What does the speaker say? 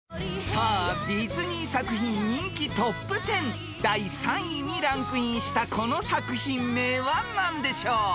［さあディズニー作品人気トップ１０第３位にランクインしたこの作品名は何でしょう］